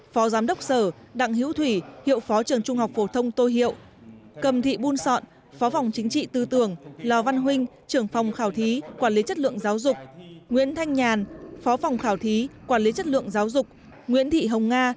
phó giám đốc sở đặng hữu thủy hiệu phó trường trung học phổ thông tô hiệu cầm thị buôn sọn phó phòng chính trị tư tưởng lò văn huynh trưởng phòng khảo thí quản lý chất lượng giáo dục nguyễn thanh nhàn phó phòng khảo thí quản lý chất lượng giáo dục nguyễn thị hồng nga